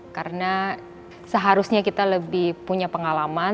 karena seharusnya kita lebih punya pengalaman